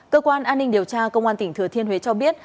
cơ quan an ninh điều tra công an tỉnh thừa thiên huế cho biết